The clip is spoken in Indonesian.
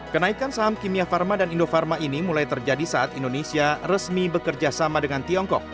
kenaikan saham kimia farma dan indofarma ini mulai terjadi saat indonesia resmi bekerja sama dengan tiongkok